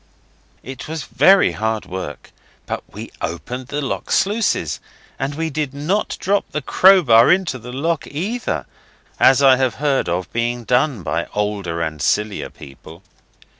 It was very hard work but we opened the lock sluices, and we did not drop the crowbar into the lock either, as I have heard of being done by older and sillier people.